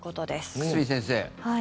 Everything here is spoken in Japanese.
久住先生。